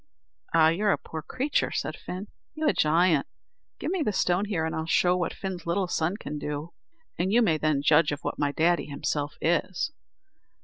"Ah! you're a poor creature!" said Fin. "You a giant! Give me the stone here, and when I'll show what Fin's little son can do, you may then judge of what my daddy himself is."